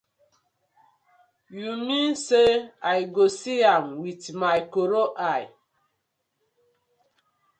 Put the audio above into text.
Yu mean say I go see am wit my koro eye?